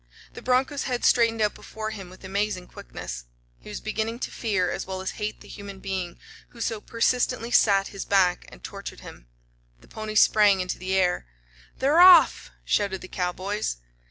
The broncho's head straightened out before him with amazing quickness. He was beginning to fear as well as hate the human being who so persistently sat his back and tortured him. The pony sprang into the air. "They're off!" shouted the cowboys.